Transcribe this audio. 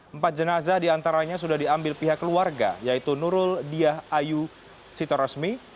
empat jenazah diantaranya sudah diambil pihak keluarga yaitu nurul diah ayu sitorosmi